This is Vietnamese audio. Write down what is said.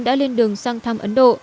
đã lên đường sang thăm ấn độ